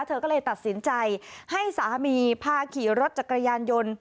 เธอก็เลยตัดสินใจให้สามีพาขี่รถจักรยานยนต์